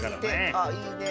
あっいいね。